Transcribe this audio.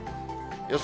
予想